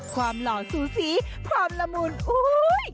ความหล่อสูสีความละมุนโอ้โฮ